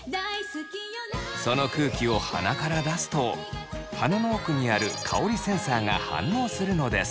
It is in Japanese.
その空気を鼻から出すと鼻の奥にある香りセンサーが反応するのです。